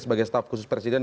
sebagai staff khusus presiden